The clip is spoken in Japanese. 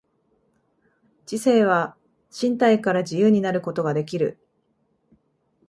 知性は身体から自由になることができる。